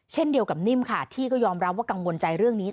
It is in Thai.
เช่นเดียวกับนิ่มค่ะที่ก็ยอมรับว่ากังวลใจเรื่องนี้